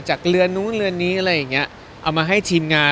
เรือนนู้นเรือนนี้อะไรอย่างเงี้ยเอามาให้ทีมงาน